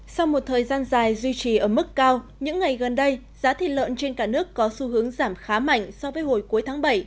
sau một thời gian dài duy trì ở mức cao những ngày gần đây giá thịt lợn trên cả nước có xu hướng giảm khá mạnh so với hồi cuối tháng bảy